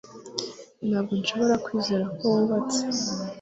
Ntabwo nshobora kwizera ko wubatse